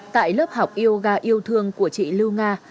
tại lớp học yoga yêu thương của chị lưu nga